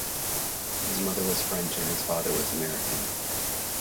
His mother was French and his father was American.